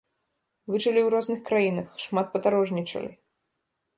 Вы жылі ў розных краінах, шмат падарожнічалі.